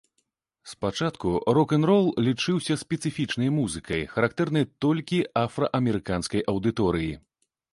Спачатку рок-н-рол лічыўся спецыфічнай музыкай, характэрнай толькі афраамерыканскай аўдыторыі.